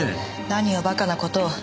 何をバカな事を。